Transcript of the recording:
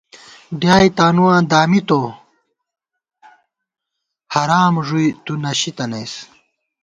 ڈیائے تانُواں دامِتُوؤ ، حرام ݫُوئی تُو نَشی تَنَئیس